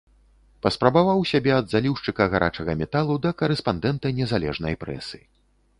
Паспрабаваў сябе ад заліўшчыка гарачага металу да карэспандэнта незалежнай прэсы.